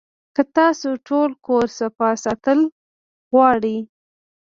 کۀ تاسو ټول کور صفا ساتل غواړئ